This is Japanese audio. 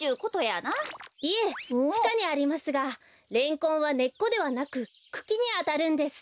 いえちかにありますがレンコンはねっこではなくくきにあたるんです。